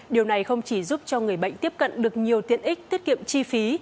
điều này không chỉ giúp cho người bệnh tiếp cận được nhiều tiện ích tiết kiệm chi phí